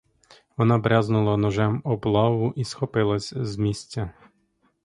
Вона брязнула ножем об лаву і схопилась з місця.